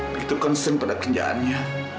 begitu concern pada kerjaannya